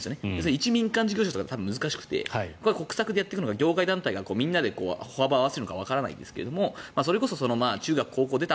いち民間事業者とかでは難しくて国策でやっていくのか民間団体がみんなで歩幅を合わせるかわかりませんが中学、高校を出た